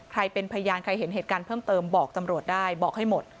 ใครเป็นพยานใครเห็นเหตุการณ์เพิ่มเติมบอกตำรวจได้บอกให้หมด